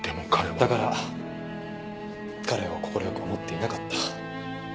だから彼を快く思っていなかった。